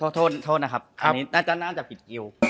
โทษโทษนะครับอันนี้น่าจะผิดกิว